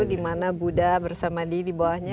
dimana buddha bersama di bawahnya